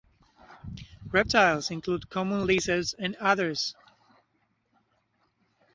Reptiles include common lizards and adders.